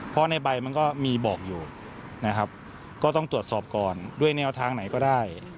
เพราะในใบมันก็มีบอกอยู่นะครับก็ต้องตรวจสอบก่อนด้วยแนวทางไหนก็ได้